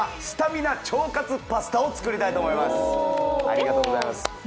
スタミナ腸活パスタを作りたいと思います。